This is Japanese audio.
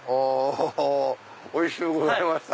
おいしゅうございました。